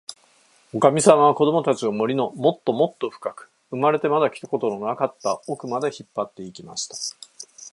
おかみさんは、こどもたちを、森のもっともっとふかく、生まれてまだ来たことのなかったおくまで、引っぱって行きました。